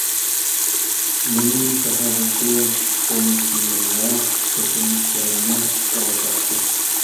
مېنىڭ شەھەردىكى تۇرمۇشۇمنى ۋە كەچۈرمىشلىرىمنى سورىشاتتى.